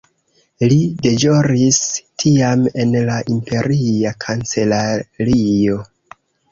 Li deĵoris tiam en la imperia kancelario.